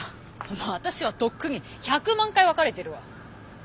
もう私はとっくに１００万回別れてるわ。